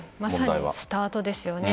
まさにスタートですよね。